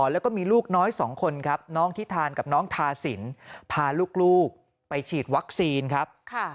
แล้วก็มีลูกน้อย๒คนครับ